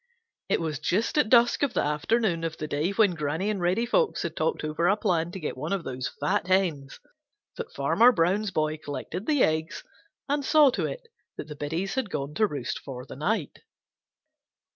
It was just at dusk of the afternoon of the day when Granny and Reddy Fox had talked over a plan to get one of those fat hens that Farmer Brown's boy collected the eggs and saw to it that the biddies had gone to roost for the night.